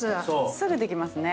すぐできますね。